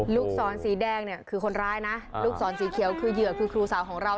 ลูกศรสีแดงเนี่ยคือคนร้ายนะลูกศรสีเขียวคือเหยื่อคือครูสาวของเรา